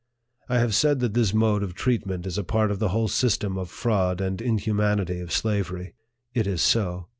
I have said that this mode of treatment is a part of the whole system of fraud and inhumanity of slavery. It is so.